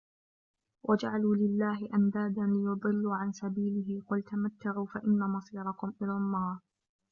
وَجَعَلُوا لِلَّهِ أَنْدَادًا لِيُضِلُّوا عَنْ سَبِيلِهِ قُلْ تَمَتَّعُوا فَإِنَّ مَصِيرَكُمْ إِلَى النَّارِ